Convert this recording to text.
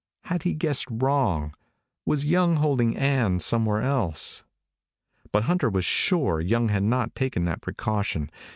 Had he guessed wrong? Was Young holding Ann somewhere else? But Hunter was sure Young had not taken that precaution.